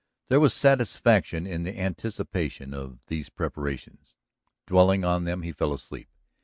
There was satisfaction in the anticipation of these preparations. Dwelling on them he fell asleep.